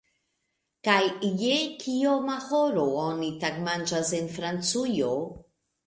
Kaj je kioma horo oni tagmanĝas en Francujo?